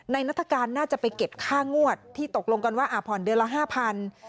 นัฐกาลน่าจะไปเก็บค่างวดที่ตกลงกันว่าผ่อนเดือนละ๕๐๐บาท